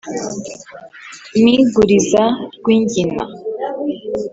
mpiguriza rwingina